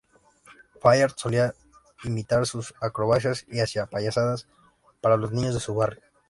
Fayard solía imitar sus acrobacias y hacía payasadas para los niños de su barrio.